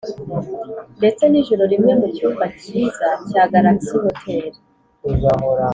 ndetse n’ijoro rimwe mu cyumba cyiza cya Galaxy Hotel,